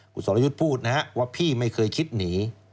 คุณสรยุทธ์พูดนะครับว่าพี่ไม่เคยคิดหนี